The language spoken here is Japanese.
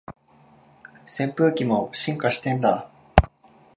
扇風機も進化してんだ